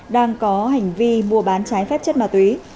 đang có hành vi mua bán trái phép chất ma túy